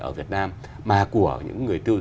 ở việt nam mà của những người tiêu